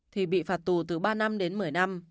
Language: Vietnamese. thì bị phạt tù từ ba năm đến một mươi năm